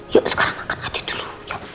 yuk sekarang makan aja dulu